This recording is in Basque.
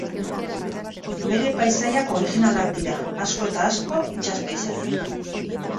Bere paisaiak originalak dira, asko eta asko itsas-paisaiak.